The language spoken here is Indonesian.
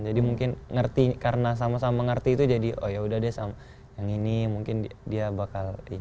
jadi mungkin ngerti karena sama sama ngerti itu jadi oh yaudah deh yang ini mungkin dia bakal ini